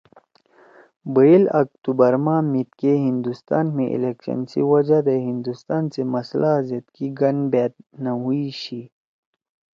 بَئیل اکتوبر ما میِدکے ہندوستان می الیکشن سی وجہ دے ہندوستان سی مسئلہ زید کی گَن بأت نہ ہُوئی شی